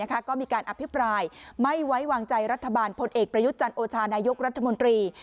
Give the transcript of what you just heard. ก็มีการอภิปรายไม่ไว้วางใจรัฐบาลพลเอกประยุทธ์จันทร์โอชานายกรัฐมนตรี